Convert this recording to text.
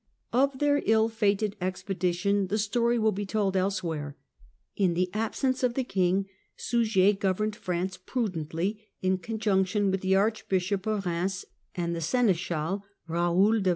Of their ill fated expedition the story will be told elsewhere (see chapter x.). In the absence of the king Suger governed France prudently, in conjunction with the Archbishop of Kheims and the Seneschal, Eaoul FRANCE UNDER LOUIS VI.